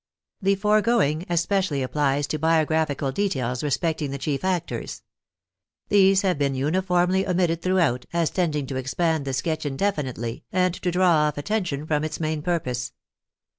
The foregoing especially applies to bio graphical details respecting the chief actors. These have been uniformly omitted throughout, as tending to expand the sketch indefinitely, and to draw off attention from its main purpose.